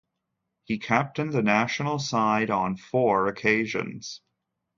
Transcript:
He captained the national side on four occasions.